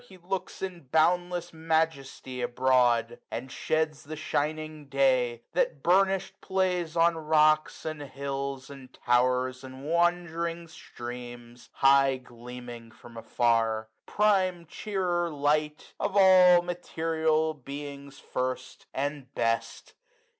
He looks in boundless majesty abroad ; And sheds the shining day, that bumish'd plays On rocks, and hills, and tow'rs, and wand'ring streams. High gleaming from afar. Prime chearer light ! 90 Of all material beings first, and best